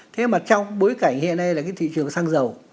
thế mà trong bối cảnh hiện nay là cái thị trường xăng dầu